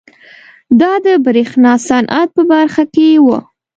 دا د برېښنا صنعت په برخه کې وه.